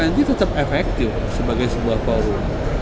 g dua puluh tetap efektif sebagai sebuah forum